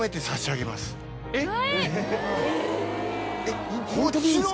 えっ？